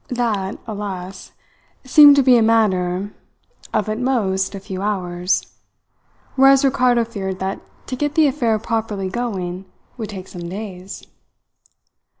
That, alas, seemed to be at most a matter of a few hours; whereas Ricardo feared that to get the affair properly going would take some days.